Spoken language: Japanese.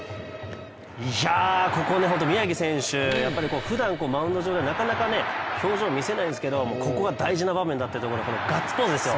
いや、ここ、宮城選手、ふだん、マウンド上ではなかなか表情を見せないんですけどここは大事な場面だっていうこのガッツポーズですよ。